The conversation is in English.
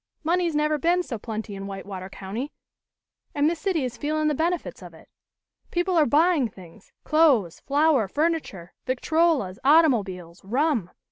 Money's never been so plenty in Whitewater County and this city is feelin' the benefits of it. People are buying things clothes, flour, furniture, victrolas, automobiles, rum.